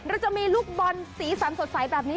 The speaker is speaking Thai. เราจะมีลูกบอลสีสันสดใสแบบนี้